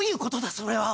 それは。